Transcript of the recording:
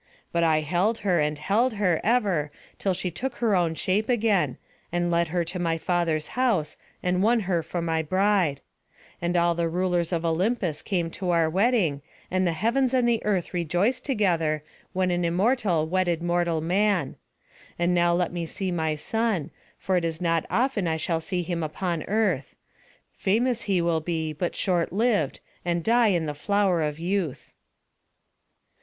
But I held her and held her ever till she took her own shape again, and led her to my father's house, and won her for my bride. And all the rulers of Olympus came to our wedding, and the heavens and the earth rejoiced together, when an immortal wedded mortal man. And now let me see my son; for it is not often I shall see him upon earth; famous he will be, but short lived, and die in the flower of youth."